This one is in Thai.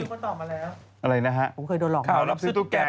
อะไรนะฮะข่าวรับซื้อตู้แก่